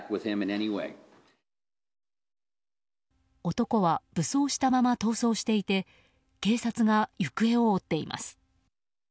男は武装したまま逃走していて警察が行方を追っています。